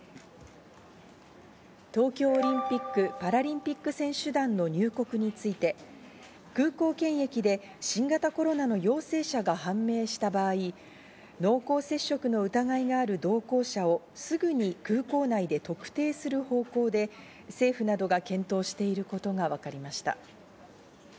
東京オリンピック・パラリンピック選手団の入国について空港検疫で新型コロナの陽性者が判明した場合、濃厚接触の疑いがある同行者をすぐに空港内で特定する方向で政府などが検討していることが分かりました。